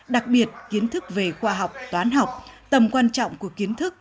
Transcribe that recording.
đặc biệt kiến thức về khoa học toán học tầm quan trọng của kiến thức